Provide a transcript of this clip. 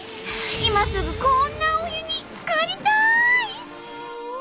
今すぐこんなお湯につかりたい！